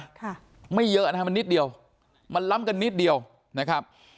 ค่ะไม่เยอะนะฮะมันนิดเดียวมันล้ำกันนิดเดียวนะครับ